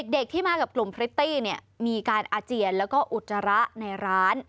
เด็กที่มากับกลุ่มพริตตี้มีการอาเจียนแล้วก็อุจจาระในร้าน